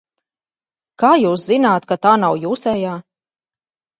Kā jūs zināt, ka tā nav jūsējā?